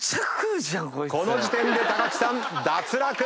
この時点で木さん脱落！